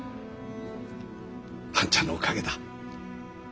半ちゃんのおかげだ。